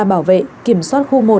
bảo vệ kiểm soát khu một